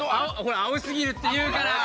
「青過ぎる」って言うから。